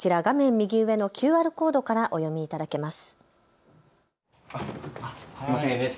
右上のＱＲコードからお読みいただけます。